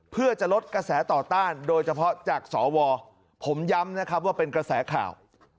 เพื่อจะลดกระแสต่อต้านโดยเฉพาะจากสวผมย้ำนะครับว่าเป็นกระแสข่าว